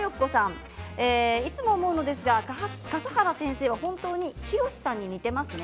いつも思うのですが笠原先生は本当にヒロシさんに似ていますね。